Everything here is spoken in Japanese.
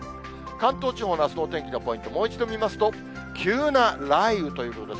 関東地方のあすのお天気のポイント、もう一度見ますと急な雷雨ということです。